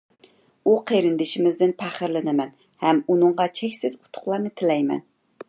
ئۇ قېرىندىشىمىزدىن پەخىرلىنىمەن ھەم ئۇنىڭغا چەكسىز ئۇتۇقلارنى تىلەيمەن.